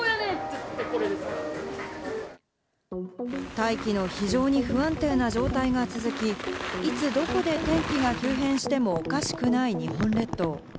大気の非常に不安定な状態が続き、いつどこで天気が急変してもおかしくない日本列島。